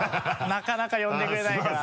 なかなか呼んでくれないから。